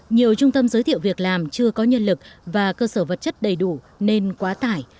nhiều trung tâm giới thiệu việc làm chưa có nhân lực và cơ sở vật chất đầy đủ nên quá tải